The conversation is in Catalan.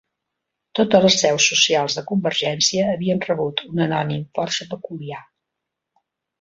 Totes les seus socials de Convergència havien rebut un anònim força peculiar.